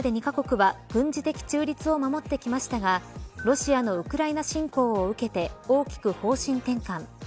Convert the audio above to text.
これまで２カ国は軍事的中立を守ってきましたがロシアのウクライナ侵攻を受けて大きく方針転換。